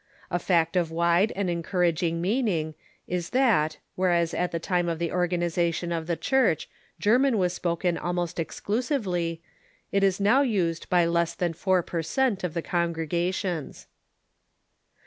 A fact of wide and encouraging meaning is that, whereas at the time of the organization of the Church, German was spoken almost exclusively, it is now used by less than four per cent, of the congregations.